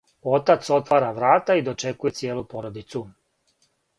Отац отвара врата и дочекује цијелу породицу.